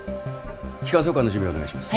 気管挿管の準備お願いします。